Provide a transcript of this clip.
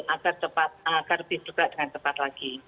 agar cepat agar lebih juga dengan cepat lagi